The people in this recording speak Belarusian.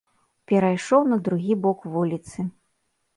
Перайшоў на другі бок вуліцы.